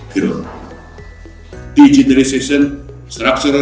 perkembangan digitalisasi dan reform struktural